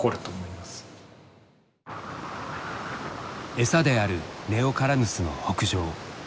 えさであるネオカラヌスの北上。